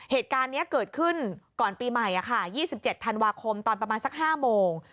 เหตุการณ์นี้เกิดขึ้นก่อนปีใหม่๒๗ธันวาคมตอนประมาณสัก๕โมง